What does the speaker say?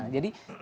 jadi media sosial